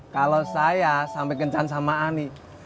kalau saya sampai kencan sama ani